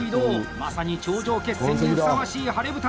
まさに頂上決戦にふさわしい晴れ舞台！